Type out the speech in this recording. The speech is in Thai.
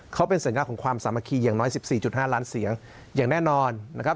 เขาเป็นสัญญาของความสามัคคีอย่างน้อย๑๔๕ล้านเสียงอย่างแน่นอนนะครับ